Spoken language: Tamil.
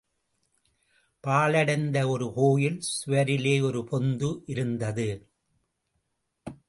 பாழடைந்த ஒரு கோயில் சுவரிலே ஒரு பொந்து இருந்தது.